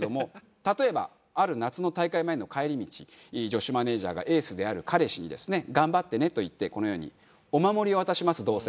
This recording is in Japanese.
例えばある夏の大会前の帰り道女子マネージャーがエースである彼氏にですね「頑張ってね」と言ってこのようにお守りを渡しますどうせ。